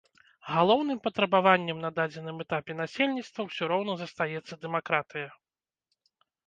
Галоўным патрабаваннем на дадзеным этапе насельніцтва ўсё роўна застаецца дэмакратыя.